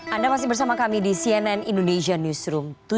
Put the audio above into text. anda masih bersama kami di cnn indonesia newsroom